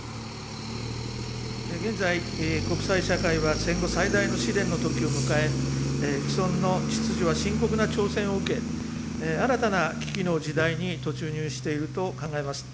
現在、国際社会は戦後最大の試練のときを迎え、既存の秩序は深刻な挑戦を受け、新たな危機の時代に突入していると考えます。